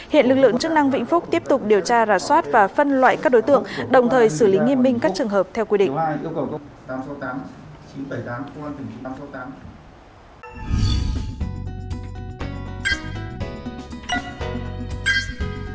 hiện lực lượng chức năng vĩnh phúc tiếp tục điều tra rà soát và phân loại các đối tượng đồng thời xử lý nghiêm minh các trường hợp theo quy định